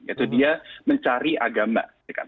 yaitu dia mencari agama